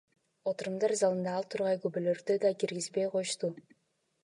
Отурумдар залына ал тургай күбөлөрдү да киргизбей коюшту!